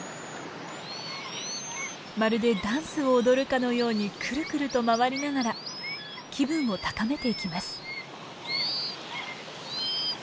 まるでダンスを踊るかのようにくるくると回りながら気分を高めていきます。